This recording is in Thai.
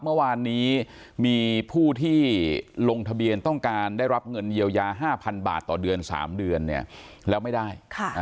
เมื่อวานนี้มีผู้ที่ลงทะเบียนต้องการได้รับเงินเยียวยา๕๐๐๐บาทต่อเดือน๓เดือนแล้วไม่ได้